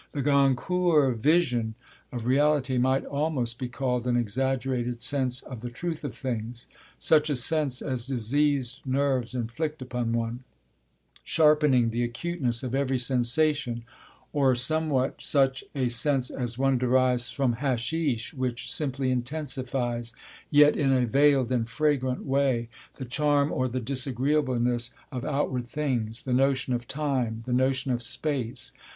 The Goncourts' vision of reality might almost be called an exaggerated sense of the truth of things; such a sense as diseased nerves inflict upon one, sharpening the acuteness of every sensation; or somewhat such a sense as one derives from haschisch, which simply intensifies, yet in a veiled and fragrant way, the charm or the disagreeableness of outward things, the notion of time, the notion of space.